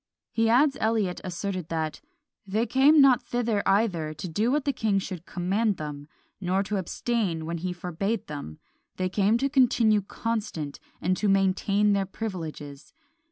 He adds Eliot asserted that "They came not thither either to do what the king should command them, nor to abstain when he forbade them; they came to continue constant, and to maintain their privileges.